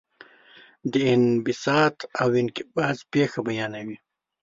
د انبساط او انقباض پېښه بیانوي.